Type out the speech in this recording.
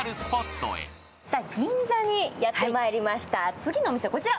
次のお店はこちら。